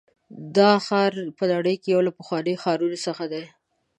دا ښار په نړۍ کې یو له پخوانیو ښارونو څخه دی.